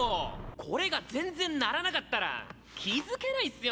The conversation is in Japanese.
これが全然鳴らなかったら気付けないっすよ